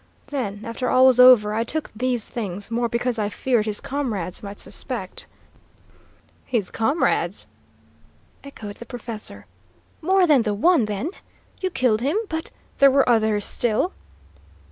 Then, after all was over, I took these things, more because I feared his comrades might suspect " "His comrades?" echoed the professor. "More than the one, then? You killed him, but there were others, still?"